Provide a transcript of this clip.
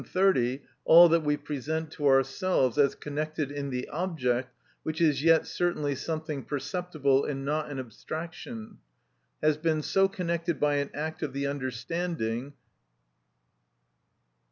130, all that we present to ourselves as connected in the object (which is yet certainly something perceptible and not an abstraction), has been so connected by an act of the understanding.